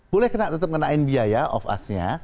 boleh tetap ngenain biaya off us nya